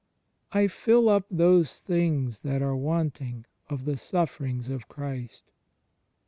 "I fill up those things that are wanting of the suffer ings of Christ."